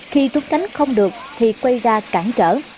khi rút tránh không được thì quay ra cản trở